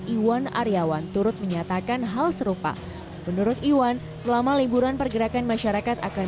iwan aryawan turut menyatakan hal serupa menurut iwan selama liburan pergerakan masyarakat akan